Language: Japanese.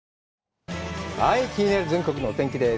気になる全国のお天気です。